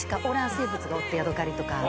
生物がおってヤドカリとか。